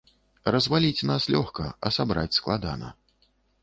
Разваліць нас лёгка, а сабраць складана.